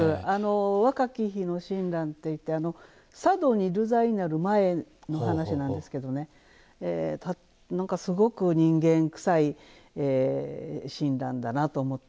「若き日の親鸞」といって佐渡に流罪になる前の話なんですけどねすごく人間くさい親鸞だなと思って。